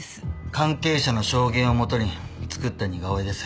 関係者の証言を元に作った似顔絵です。